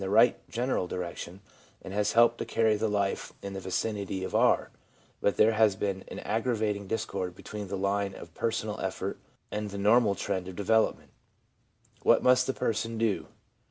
Doubtless the trying has been in the right general direction, and has helped to carry the life in the vicinity of r ; but there has been an aggravating discord between the line of personal effort and the normal trend of development. What must the person do